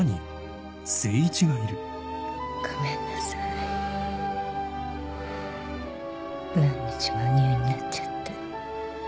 何日も入院なっちゃって。